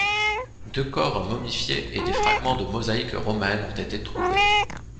Deux corps momifiés et des fragments de mosaïque romaine ont été trouvés.